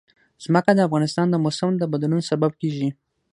ځمکه د افغانستان د موسم د بدلون سبب کېږي.